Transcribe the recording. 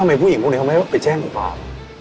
ทำไมผู้หญิงพวกนี้เขาไม่ไปแจ้งหรือเปล่า